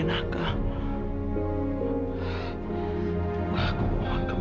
aku sudah kilometernas